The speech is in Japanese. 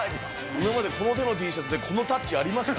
今までこの手のＴシャツで、この手のタッチありました？